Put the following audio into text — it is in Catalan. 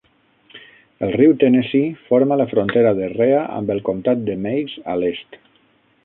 El riu Tennessee forma la frontera de Rhea amb el comtat de Meigs a l'est.